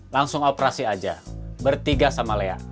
langsung operasi aja bertiga sama lea